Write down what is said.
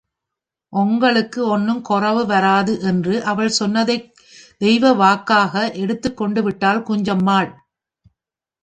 ஒங்களுக்கு ஒண்ணும் கொறவு வராது! என்று அவள் சொன்னதைத் தெய்வ வாக்காக எடுத்துக்கொண்டுவிட்டாள் குஞ்சம்மாள்.